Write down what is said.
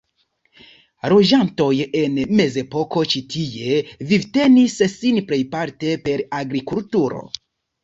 Loĝantoj en mezepoko ĉi tie vivtenis sin plejparte per agrikulturo.